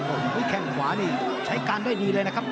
โอ้โหแข้งขวานี่ใช้การได้ดีเลยนะครับ